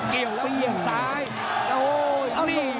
เกี่ยวแล้วนี่